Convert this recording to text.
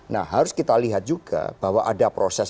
nah harus kita lihat juga bahwa ada proses